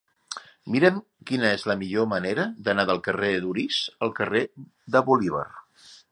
Mira'm quina és la millor manera d'anar del carrer d'Orís al carrer de Bolívar.